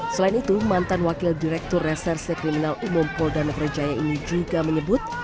selain itu mantan wakil direktur reserse kriminal umum poldana frejaya ini juga menyebut